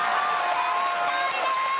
正解です！